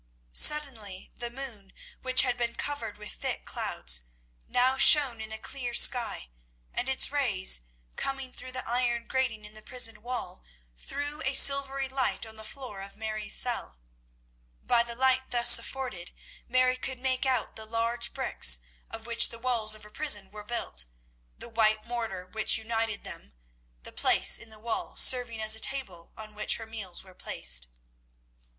Suddenly the moon, which had been covered with thick clouds, now shone in a clear sky, and, its rays coming through the iron grating in the prison wall, threw a silvery light on the floor of Mary's cell. By the light thus afforded, Mary could make out the large bricks of which the walls of her prison were built, the white mortar which united them, the place in the wall serving as a table on which her meals were placed.